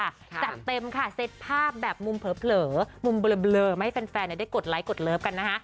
จัดเต็มค่ะเซตภาพแบบมุมเผลอมุมเบลอไม่ให้แฟนได้กดไลค์กดเลิฟกันนะคะ